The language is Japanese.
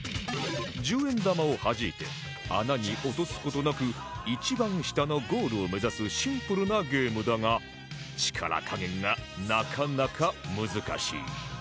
１０円玉を弾いて穴に落とす事なく一番下のゴールを目指すシンプルなゲームだが力加減がなかなか難しい